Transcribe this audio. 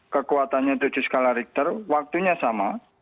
kekuatannya tujuh skala richter waktunya sama